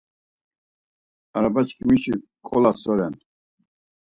Arabaçkimişi ǩola so ren?